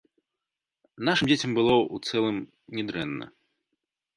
Нашым дзецям было, у цэлым, не дрэнна.